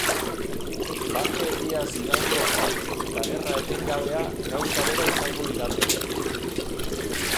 Bake egiaz iraunkor bat eta gerra etengabea gauza bera izango lirateke.